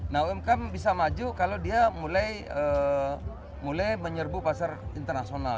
nah umkm bisa maju kalau dia mulai menyerbu pasar internasional